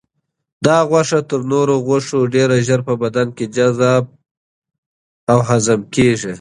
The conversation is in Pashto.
دا غوښه تر نورو غوښو ډېر ژر په بدن کې جذب او هضم کیږي.